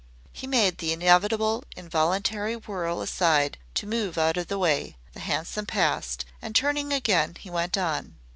He made the inevitable involuntary whirl aside to move out of the way, the hansom passed, and turning again, he went on.